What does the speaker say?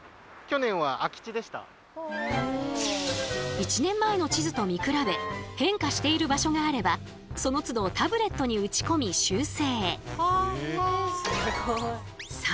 １年前の地図と見比べ変化している場所があればそのつどタブレットに打ち込み修正。